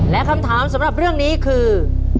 และคำถามสำหรับเรื่องนี้คือ